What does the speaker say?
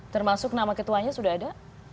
termasuk nama ketuanya sudah ada